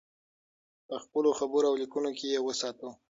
په خپلو خبرو او لیکنو کې یې وساتو.